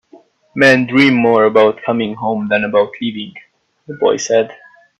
"Men dream more about coming home than about leaving," the boy said.